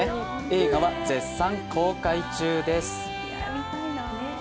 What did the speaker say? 映画は絶賛公開中です。